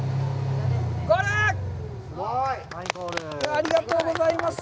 ありがとうございます。